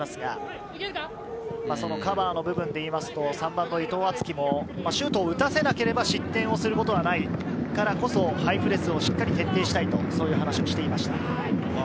カバーの部分でいいますと３番の伊藤敦樹もシュートを打たさなければ失点をすることはないからこそハイプレスをしっかり徹底したいという話をしていました。